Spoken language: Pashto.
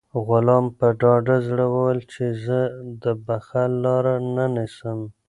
غلام په ډاډه زړه وویل چې زه د بخل لاره نه نیسم.